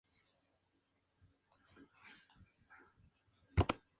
El premio lo otorga la Asociación de Mujeres Periodistas de Cataluña.